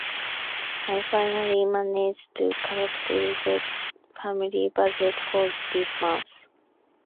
I finally managed to calculate the family budget for this month.